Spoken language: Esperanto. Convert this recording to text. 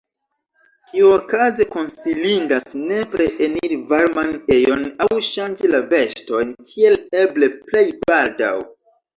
Tiuokaze konsilindas nepre eniri varman ejon aŭ ŝanĝi la vestojn kiel eble plej baldaŭ.